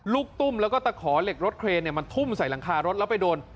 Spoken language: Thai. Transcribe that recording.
ลูกตุ้มแล้วก็ตะขอเหล็กรถเครนมันทุ่มใส่หลังคารถแล้วไปโดน